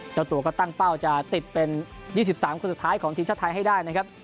เจ้าตัวก็ตั้งเป้าจะติดเป็น๒๓คนสุดท้ายของทีมชาติไทยให้ได้นะครับ